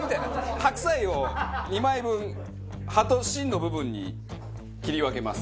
白菜を２枚分葉と芯の部分に切り分けます。